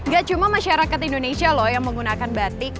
gak cuma masyarakat indonesia loh yang menggunakan batik